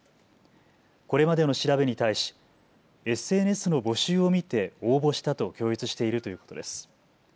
これまでの調べに対しＳＮＳの募集を見て応募したと供述しているということです。